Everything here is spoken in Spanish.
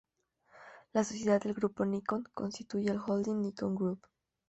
Las sociedades del grupo Nikon constituyen el Holding Nikon Group.